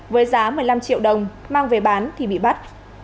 với giá một mươi năm triệu đồng mang về bán thì bị bắt